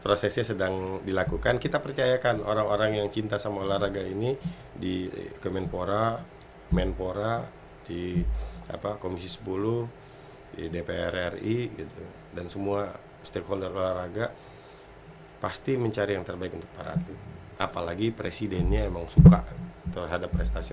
olahraga pasti mencari yang terbaik untuk para apalagi presidennya emang suka terhadap prestasi